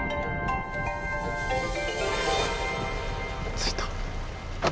着いた。